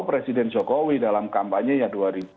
presiden jokowi dalam kampanye yang dua ribu enam belas